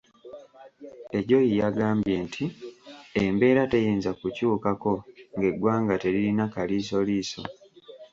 Ejoyi yagambye nti embeera teyinza kukyukako ng'eggwanga teririna kaliisoliiso.